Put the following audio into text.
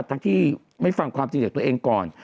ทั้งที่ไม่ฟังความจริงจากตัวเองก่อน